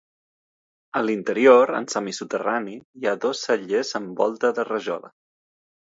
A l'interior, en semisoterrani, hi ha dos cellers amb volta de rajola.